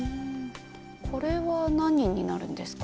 これは何になるんですか？